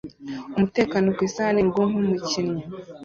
umutekano ku isahani yo murugo nkumukinnyi